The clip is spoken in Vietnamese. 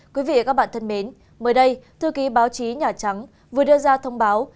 quý vị và các bạn thân mến mới đây thư ký báo chí nhà trắng vừa đưa ra thông báo